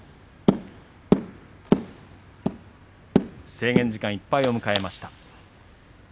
制限時間いっぱいを迎えました。